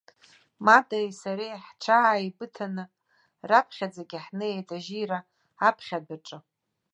Матеи сареи ҳҽааибыҭаны раԥхьаӡагьы ҳнеит ажьира аԥхьа адәаҿы.